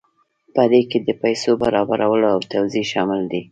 په دې کې د پیسو برابرول او توزیع شامل دي.